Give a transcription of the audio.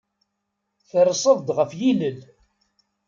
Terseḍ-d ɣef yilel.